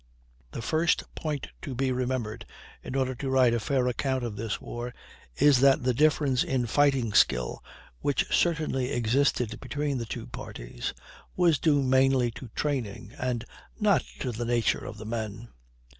The first point to be remembered in order to write a fair account of this war is that the difference in fighting skill, which certainly existed between the two parties, was due mainly to training, and not to the nature of the men.